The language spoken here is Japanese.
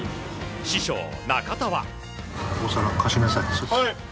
師匠・中田は。